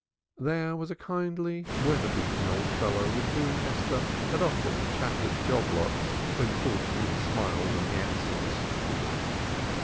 There was a kindly, weather beaten old fellow with whom Esther had often chaffered job lots when fortune smiled on the Ansells.